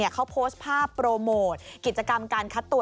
เขาโพสต์ภาพโปรโมทกิจกรรมการคัดตัว